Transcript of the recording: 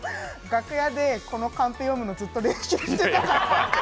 楽屋でこのカンペを読むの練習してたから。